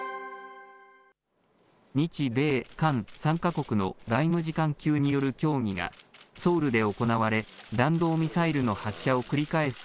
日米韓３か国の外務次官級による協議がソウルで行われ、弾道ミサイルの発射を繰り返す